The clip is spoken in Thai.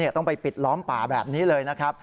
ต้องไปปิดล้อมป่าแบบนี้เลยนะครับ